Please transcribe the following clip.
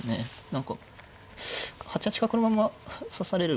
何か８八角のまんま指されるかなと。